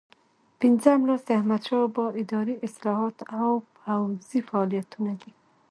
پنځم لوست د احمدشاه بابا اداري اصلاحات او پوځي فعالیتونه دي.